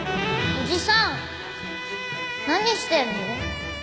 おじさん何してるの？